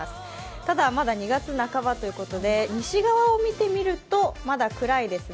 ただまだ２月半ばということで西側を見てみるとまだ暗いですね。